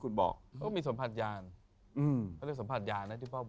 เขามีสัมผัสยาน